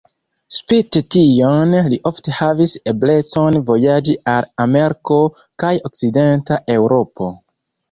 Spite tion, li ofte havis eblecon vojaĝi al Ameriko kaj Okcidenta Eŭropo.